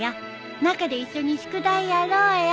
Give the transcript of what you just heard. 中で一緒に宿題やろうよ。